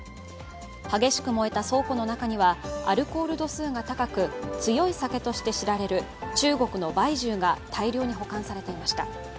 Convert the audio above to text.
激しく燃えた倉庫の中にはアルコール度数が高く強い酒として知られる中国の白酒が大量に保管されていました。